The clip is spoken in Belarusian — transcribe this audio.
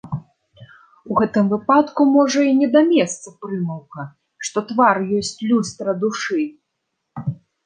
У гэтым выпадку можа і не да месца прымаўка, што твар ёсць люстра душы.